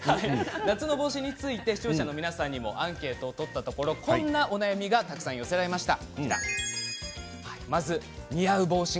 夏の帽子について視聴者の皆さんにアンケートを取ったところこんなお悩みが寄せられました。